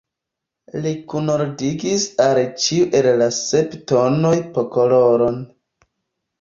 Li kunordigis al ĉiu el la sep tonoj po koloron.